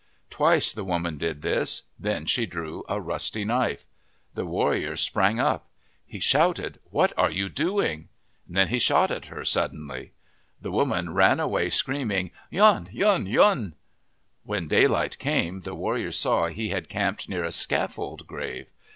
Twice the woman did this. Then she drew a rusty knife. The warrior sprang up. He shouted, " What are you doing ?' Then he shot at her suddenly. IOO OF THE PACIFIC NORTHWEST The woman ran away screaming, " Yun ! yun ! yun!" When daylight came, the warrior saw he had camped near a scaffold grave.